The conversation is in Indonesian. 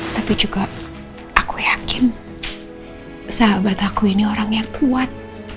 tapi juga aku yakin sahabat aku ini orang yang kuat